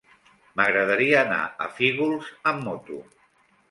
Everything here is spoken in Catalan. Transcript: M'agradaria anar a Fígols amb moto.